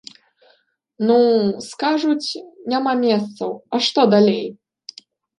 Ну, скажуць, няма месцаў, а што далей!